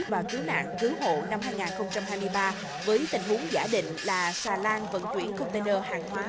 và cứu nạn cứu hộ năm hai nghìn hai mươi ba với tình huống giả định là xà lan vận chuyển container hàng hóa